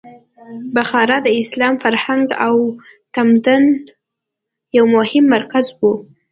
بخارا د اسلامي فرهنګ او تمدن یو مهم مرکز و.